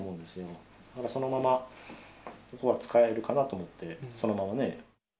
もうそのまま、ここは使えるかなと思って、そのままね。